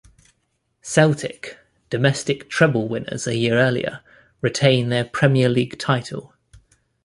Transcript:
Celtic, domestic treble winners a year earlier, retain their Premier League title.